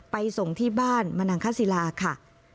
ส่งที่บ้านมนังคศิลาค่ะ